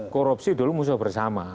korupsi dulu musuh bersama